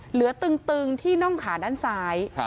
ตึงที่น่องขาด้านซ้าย